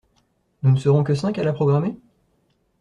Nous ne serons que cinq à la programmer?